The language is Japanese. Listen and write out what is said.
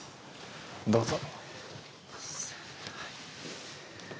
どうぞ。